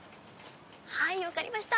はいわかりました。